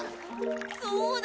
そうだ！